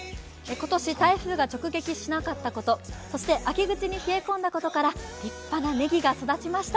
今年台風が直撃しなかったことそして秋口に冷え込んだことから立派なねぎが育ちました。